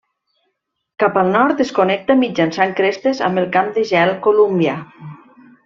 Cap al nord es connecta mitjançant crestes amb el Camp de gel Columbia.